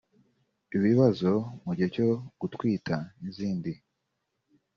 ibibazo mu gihe cyo gutwita n’izindi